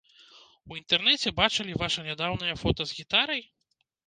У інтэрнэце бачылі ваша нядаўняе фота з гітарай?